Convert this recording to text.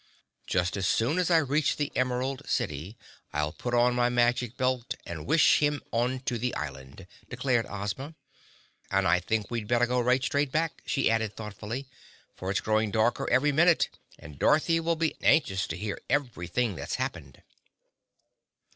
"Just as soon as I reach the Emerald City I'll put on my Magic Belt and wish him onto the Island," declared Ozma. "And I think we'd better go right straight back," she added thoughtfully, "for it's growing darker every minute and Dorothy will be anxious to hear everything that's happened."